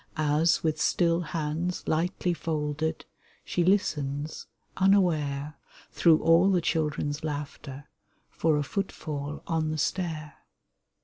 As, with still hands hghtly folded, She listens, unaware, Through all the children's laughter, For a footfall on the stair.